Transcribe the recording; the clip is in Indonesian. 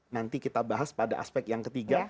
nanti kita bahas pada aspek yang ketiga